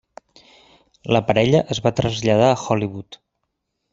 La parella es va traslladar a Hollywood.